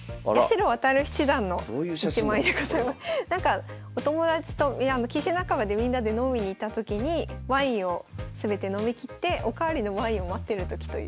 なんかお友達と棋士仲間でみんなで飲みに行った時にワインを全て飲みきってお代わりのワインを待ってる時という。